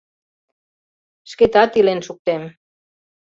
Шкетат илен шуктем.